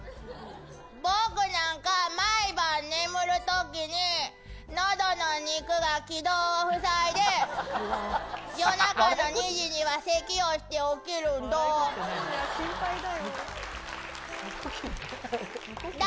僕なんか、毎晩眠るときに、のどの肉が気道を塞いで、夜中の２時にはせきをして起きるんだ。